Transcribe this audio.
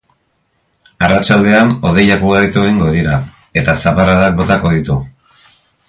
Arratsaldean hodeiak ugaritu egingo dira, eta zaparradak botako ditu.